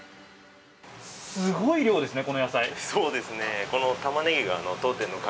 すごい量ですね、この野菜。